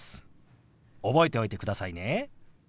覚えておいてくださいね。